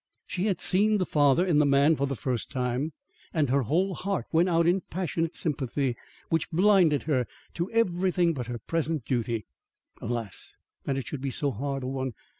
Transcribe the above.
She had seen the father in the man for the first time, and her whole heart went out in passionate sympathy which blinded her to everything but her present duty. Alas, that it should be so hard a one!